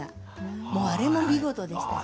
もうあれも見事でしたね。